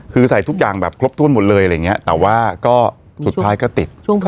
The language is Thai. คือใส่ทุกอย่างแบบครบถ้วนหมดเลยอะไรอย่างนี้แต่ว่าก็สุดท้ายก็ติด